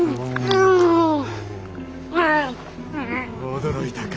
驚いたか。